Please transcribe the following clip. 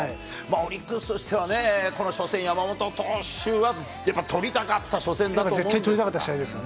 オリックスとしてはね、この初戦、山本投手は、やっぱ取りたかった初戦だと思うんですが。